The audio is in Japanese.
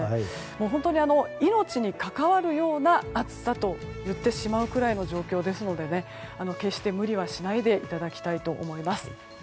本当に命に関わるような暑さと言ってしまうぐらいの状況ですので、決して無理はしないでいただきたいと思います。